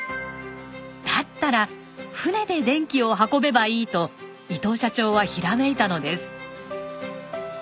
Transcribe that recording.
だったら船で電気を運べばいいと伊藤社長はひらめいたのです。